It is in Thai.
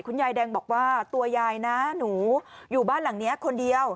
คุณยายแดงบอกว่าตัวยายนะหนูอยู่บ้านหลังนี้คนเดียว